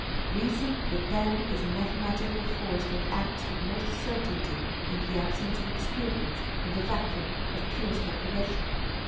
Eeason with them is a mathematical force that acts with most certainty in the absence of experience, in the vacuum of pure specu lation.